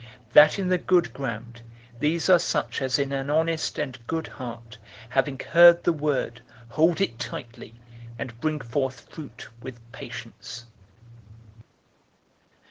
008:015 That in the good ground, these are such as in an honest and good heart, having heard the word, hold it tightly, and bring forth fruit with patience.